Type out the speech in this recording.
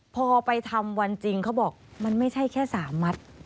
พอไปทำวันจริงเขาบอกมันไม่ใช่แค่๓มัด